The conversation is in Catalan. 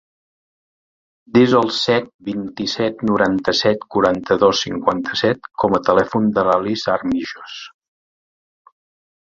Desa el set, vint-i-set, noranta-set, quaranta-dos, cinquanta-set com a telèfon de l'Alice Armijos.